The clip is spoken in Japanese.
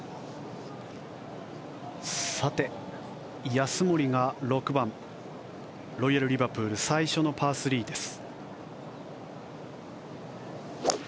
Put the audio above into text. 安森が６番ロイヤル・リバプール最初のパー３です。